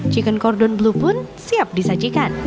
chicken cordon blue pun siap disajikan